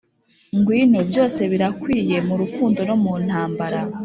ngwino, byose birakwiye mu rukundo no mu ntambara.